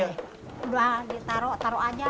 udah ditaruh taruh aja